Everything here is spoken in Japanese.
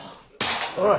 おい。